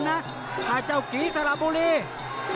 อ้าวเจ้ากีสระบุรี